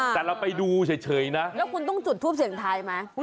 แต่เราไปดูเฉยนะแล้วคุณต้องจุดทูปเสียงทายไหม